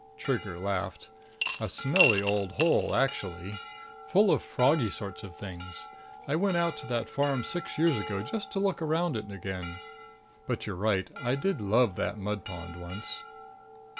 Trigger laughed. "A smelly old hole, actually! Full of froggy sorts of things. I went out to that farm six years ago, just to look around it again. But you're right. I did love that mud pond, once."